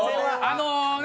あのね